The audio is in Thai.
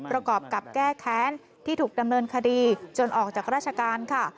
ประกอบกับแก้แค้นที่ถูกดำเนินคดีจนออกจากราชการค่ะ